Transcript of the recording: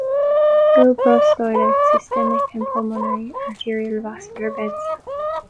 Iloprost dilates systemic and pulmonary arterial vascular beds.